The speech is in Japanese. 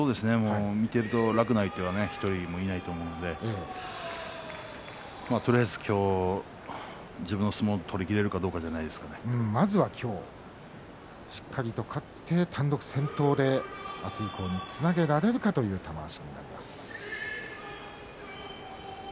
見ていると楽な相手は１人もいないと思うのでとりあえず今日は自分の相撲を取りきれるかどうかまずは今日しっかりと勝って単独先頭で明日以降につなげられるかという玉鷲になります。